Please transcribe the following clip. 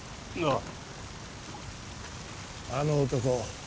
ああの男